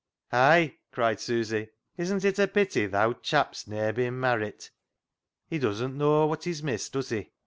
" Hay," cried Susy. " Isn't it a pity th' owd chap's ne'er bin marrit? He doesn't know wot he's missed, does he